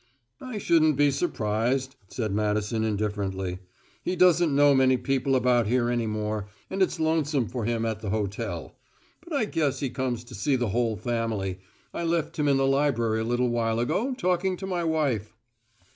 "I shouldn't be surprised," said Madison indifferently. "He doesn't know many people about here any more, and it's lonesome for him at the hotel. But I guess he comes to see the whole family; I left him in the library a little while ago, talking to my wife."